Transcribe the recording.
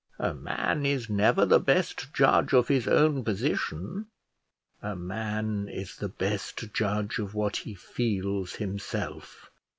A man is never the best judge of his own position." "A man is the best judge of what he feels himself.